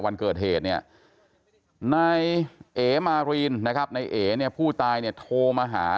วันเกิดเหตุเนี่ยนายเอ๋มารีนนะครับนายเอ๋เนี่ยผู้ตายเนี่ยโทรมาหา